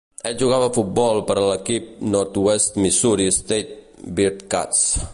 Ell jugava a futbol per a l'equip Northwest Missouri State Bearcats.